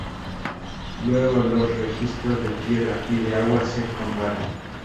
Luego los registros de tierra y de agua se comparan.